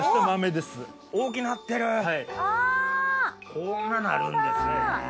こんななるんですね。